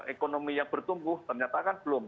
ekonomi yang bertumbuh ternyata kan belum